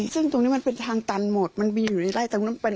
ซึ่งตรงนี้มันเป็นทางตันหมดมันมีอยู่ในไล่ตรงนั้นเป็น